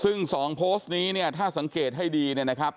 ซึ่ง๒โพสต์นี้เนี่ยถ้าสังเกตให้ดีเนี่ยนะครับ